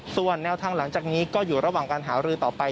ส่วนแนวทางหลังจากนี้ก็อยู่ระหว่างการหารือต่อไป